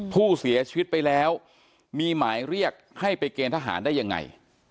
ผู้เสียชีวิตไปแล้วมีหมายเรียกให้ไปเกณฑ์ทหารได้ยังไง